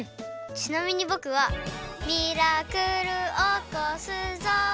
ちなみにぼくは「ミラクルおこすぞ」